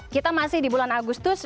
kita masih di bulan agustus